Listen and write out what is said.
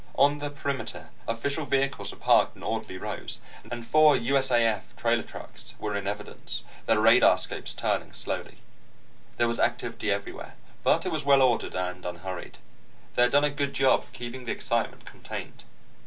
On the perimeter, official vehicles were parked in orderly rows, and four USAF trailer trucks were in evidence, their radarscopes turning slowly. There was activity everywhere, but it was well ordered and unhurried. They had done a good job of keeping the excitement contained.